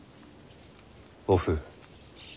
おふう。